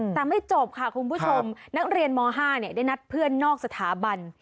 แต่ไม่จบค่ะคุณผู้ชมนักเรียนม๕ได้นัดเพื่อนนอกสถาบัน